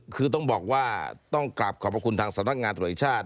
คือต้องบอกว่าต้องกราบขอบคุณทางสำนักงานตุลอิทชาติ